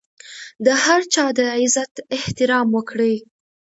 د هر چا د عزت احترام وکړئ.